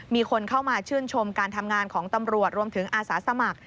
มีคนเข้ามาชื่นชมการทำงานของตำรวจรวมถึงอาสาสมัคร